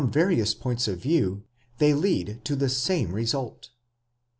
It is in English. various points of view, they lead to the same result.